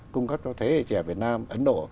cung cấp cho thế hệ trẻ việt nam ấn độ